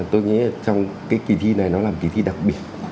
tôi nghĩ trong cái kỳ thi này nó là một kỳ thi đặc biệt